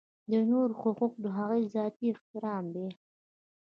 د نورو حقوق د هغوی ذاتي احترام دی.